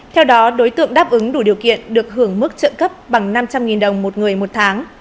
theo đó đối tượng đáp ứng đủ điều kiện được hưởng mức trợ cấp bằng năm trăm linh đồng một người một tháng